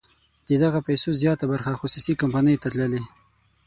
د دغه پیسو زیاته برخه خصوصي کمپنیو ته تللې.